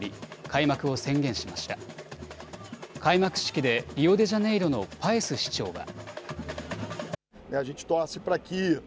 開幕式でリオデジャネイロのパエス市長は。